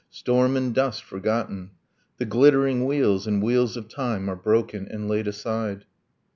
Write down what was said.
. storm and dust forgotten .. The glittering wheels in wheels of time are broken And laid aside